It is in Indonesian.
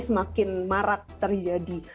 semakin marak terjadi